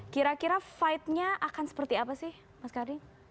kira kira fight nya akan seperti apa sih mas kardi